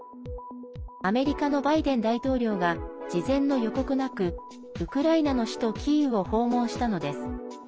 アメリカのバイデン大統領が事前の予告なくウクライナの首都キーウを訪問したのです。